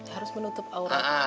harus menutup aurat